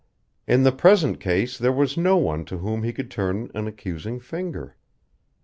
In the present case there was no one to whom he could turn an accusing finger.